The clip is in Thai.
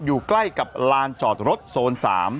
อยู่ใกล้กับลานจอดรถโซน๓